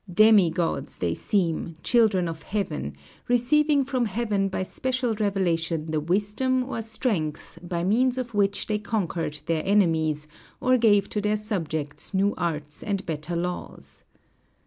Demigods they seem, children of Heaven, receiving from Heaven by special revelation the wisdom or strength by means of which they conquered their enemies, or gave to their subjects new arts and better laws.